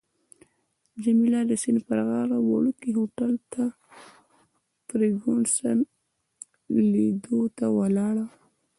جميله د سیند پر غاړه وړوکي هوټل ته فرګوسن لیدو ته ولاړه.